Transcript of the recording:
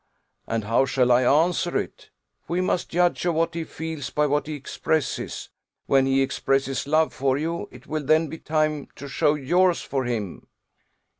And how shall I answer it? We must judge of what he feels by what he expresses: when he expresses love for you, it will then be the time to show yours for him."